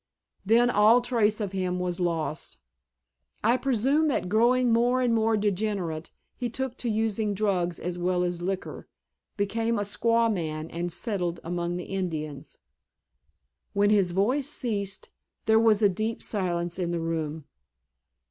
Then all trace of him was lost. I presume that growing more and more degenerate he took to using drugs as well as liquor, became a squaw man and settled among the Indians." When his voice ceased there was deep silence in the room.